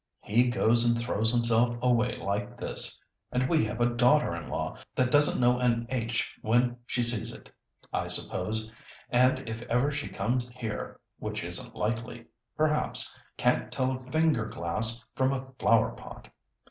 He goes and throws himself away like this. And we have a daughter in law that doesn't know an aitch when she sees it, I suppose, and if ever she comes here, which isn't likely, perhaps, can't tell a finger glass from a flower pot."